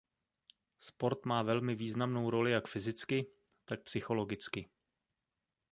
Sport má velmi významnou roli jak fyzicky, tak psychologicky.